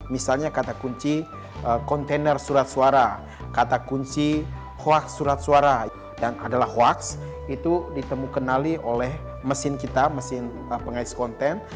misalnya kata kunci kontainer surat suara kata kunci hoax surat suara yang adalah hoax itu ditemukan oleh mesin kita mesin pengais konten